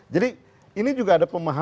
jadi ini juga ada pemohonan